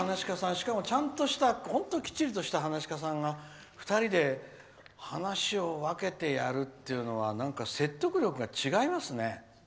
しかも、ちゃんとしたきっちりとした噺家さんが２人で噺を分けてやるっていうのはなんか、説得力が違いますね。